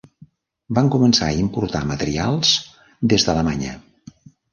Va començar a importar materials des d'Alemanya.